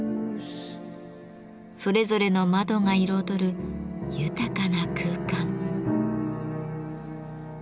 それぞれの窓が彩る豊かな空間。